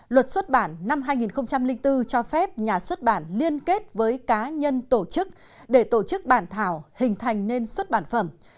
luật xuất bản năm hai nghìn bốn cho phép nhà xuất bản liên kết với cá nhân tổ chức để tổ chức bản thảo hình thành nên xuất bản phẩm